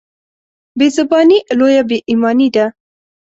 بېزباني لويه بېايماني ده.